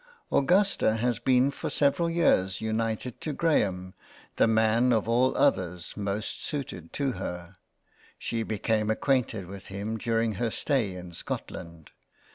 Augusta has been for several years united to Graham the Man of all others most suited to her ; she became acquainted with him during her stay in Scotland.